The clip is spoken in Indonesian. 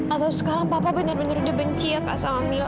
atau sekarang papa benar benar dibenci ya kak sama mila